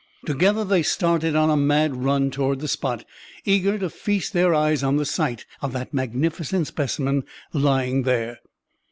Together they started on a mad run toward the spot, eager to feast their eyes on the sight of that magnificent specimen lying there.